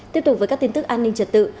tiếp tục với các tin tức an ninh trật tự